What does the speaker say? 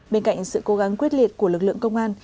bên cạnh sự cố gắng quyết liệt của lực lượng công an